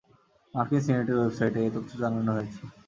মার্কিন সিনেটের ওয়েবসাইটে এ তথ্য জানানো হয়েছে।